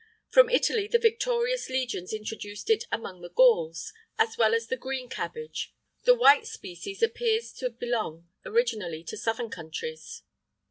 From Italy the victorious legions introduced it among the Gauls, as well as the green cabbage; the white species appears to belong originally to southern countries.